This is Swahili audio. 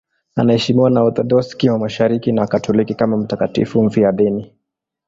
Anaheshimiwa na Waorthodoksi wa Mashariki na Wakatoliki kama mtakatifu mfiadini.